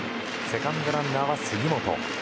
セカンドランナーは杉本。